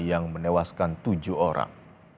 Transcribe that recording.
yang menewaskan tujuh orang